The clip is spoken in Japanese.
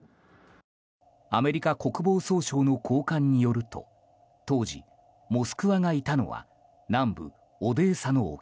アメリカ国防総省の高官によると当時「モスクワ」がいたのは南部オデーサの沖